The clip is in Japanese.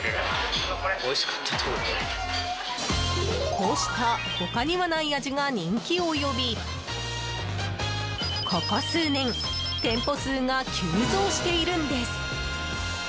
こうした他にはない味が人気を呼びここ数年店舗数が急増しているんです。